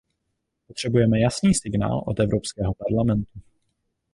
Potřebujeme jasný signál od Evropského parlamentu.